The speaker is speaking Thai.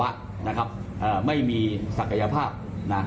ปนเรือน๒๘สนวท๒๖